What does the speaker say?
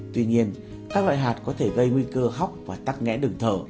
tuy nhiên các loại hạt có thể gây nguy cơ khóc và tắc nghẽ đừng thở